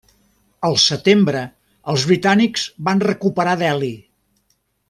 El setembre els britànics van recuperar Delhi.